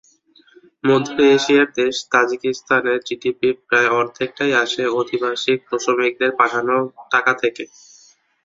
মধ্য এশিয়ার দেশ তাজিকিস্তানের জিডিপির প্রায় অর্ধেকটাই আসে অভিবাসী শ্রমিকদের পাঠানো টাকা থেকে।